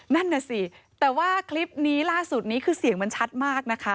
นั่นน่ะสิแต่ว่าคลิปนี้ล่าสุดนี้คือเสียงมันชัดมากนะคะ